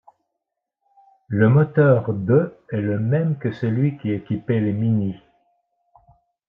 Le moteur de est le même que celui qui équipait les Mini.